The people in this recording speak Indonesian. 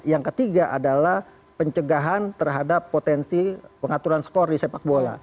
yang ketiga adalah pencegahan terhadap potensi pengaturan skor di sepak bola